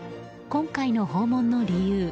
今回の訪問の理由